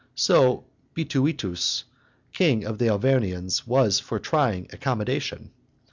So Bituitus, King of the Arvernians, was for trying accommodation.